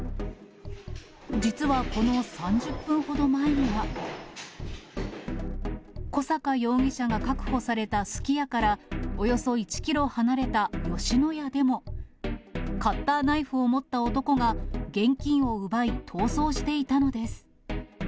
実はこの３０分ほど前には、小阪容疑者が確保されたすき家から、およそ１キロ離れた吉野家でも、カッターナイフを持った男が現金を奪い、逃走していたのです。